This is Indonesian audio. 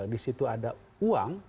disitu ada uang